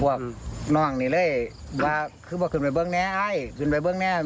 พวกนอกที่เลยบาคึกว่าขึ้นไปเบิ้งแน่ซ์ห้ายขึ้นไปเบิ้งแน่ซ์